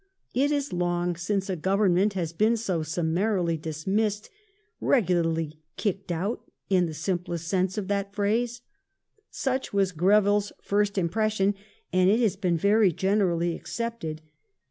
" It is long since a Government has been so summarily dismissed, regulai'ly kicked out in the simplest sense of that phrase." ^ Such was Greville's first impression, and it has been very generally accepted.